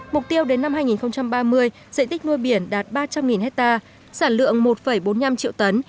mục tiêu đến năm hai nghìn ba mươi dạy tích nuôi biển đạt ba trăm linh hectare sản lượng một bốn mươi năm triệu tấn